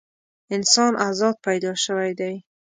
انسان ازاد پیدا شوی دی.